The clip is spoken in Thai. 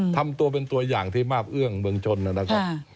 ทำตัวเป็นตัวอย่างที่มาบเอื้องเมืองชนนะครับ